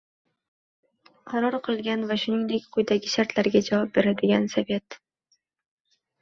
qaror qilgan va shuningdek quyidagi shartlarga javob beradigan Sovet